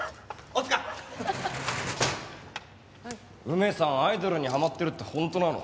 梅さんアイドルにハマってるって本当なの？